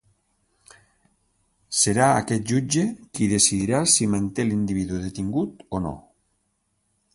Serà aquest jutge qui decidirà si manté l’individu detingut o no.